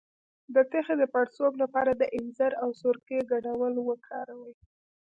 د تخه د پړسوب لپاره د انځر او سرکې ګډول وکاروئ